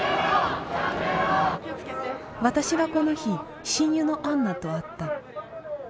私はこの日親友のアンナと会った。